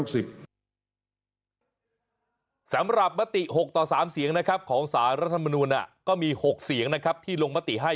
สำหรับมติ๖ต่อ๓เสียงของสารรัฐมนูลก็มี๖เสียงนะครับที่ลงมติให้